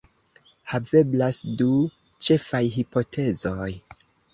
Haveblas du ĉefaj hipotezoj.